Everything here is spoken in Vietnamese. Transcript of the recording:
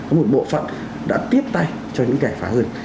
có một bộ phận đã tiếp tay cho những kẻ phá hơn